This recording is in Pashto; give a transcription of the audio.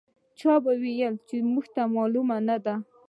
چا به ویل چې موږ ته معلومه نه ده.